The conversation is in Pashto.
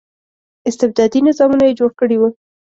استبدادي نظامونه یې جوړ کړي وو.